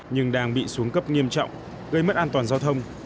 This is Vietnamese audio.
nhưng đang bị xuống cấp nghiêm trọng gây mất an toàn giao thông